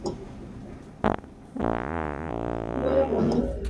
Estos aviones cubrían las rutas de mayor demanda para la aerolínea.